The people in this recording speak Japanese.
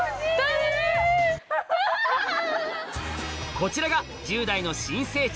こちらが１０代の新聖地